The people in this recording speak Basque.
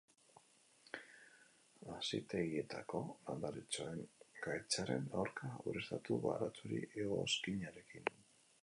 Hazitegietako landaretxoen gaitzaren aurka, ureztatu baratxuri-egoskinarekin.